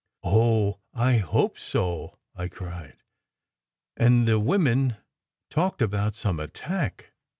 "Oh, I hope so!" I cried. "And the women talked about some attack!